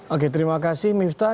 oke terima kasih miftah